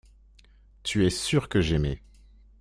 Tu es sûr que j’aimais.